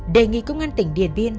đề nghị công an tỉnh điện biên